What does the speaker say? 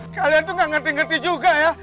kalian tuh gak ngerti ngerti juga ya